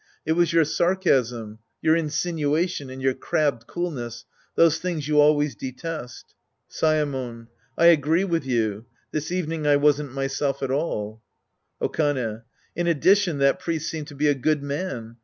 It was your sarcasm, your insinuation and your crabbed coolness, those things you always detest. Saemon. I agree with you. This evening I wasn't myself at all. Okane. In addition, that priest seemed to be a good man.